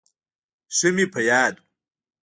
ښه مې په یاد و.